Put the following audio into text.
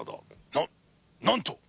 ななんと！？